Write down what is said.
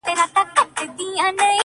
چي تر څو پوري د زور توره چلیږي -